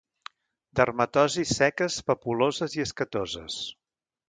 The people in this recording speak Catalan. Dermatosis seques papuloses i escatoses.